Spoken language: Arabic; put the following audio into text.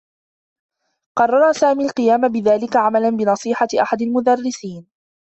قرّر سامي القيام بذلك عملا بنصيحة أحد المدرّسين.